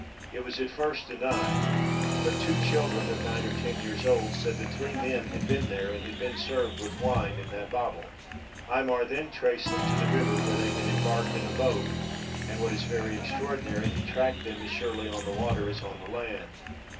It was at first denied; but two children, of nine or ten years old, said that three men had been there, and had been served with wine in that bottle. Aymar then traced them to the river where they had embarked in a boat; and, what is very extraordinary, he tracked them as surely on the water as on the land.